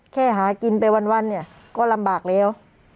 แค่หากินไปวันก็ลำบากแล้ว